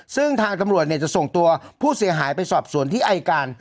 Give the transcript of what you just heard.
ซึ่งทางตำรวจจะส่งตัวผู้เสียหายไปสอบสวนที่อายการ